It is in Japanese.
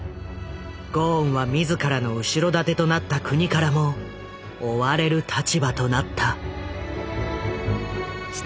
ゴーンは自らの後ろ盾となった国からも追われる立場となった。